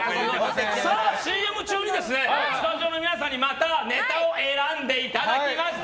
ＣＭ中にスタジオの皆さんにまたネタを選んでいただきました。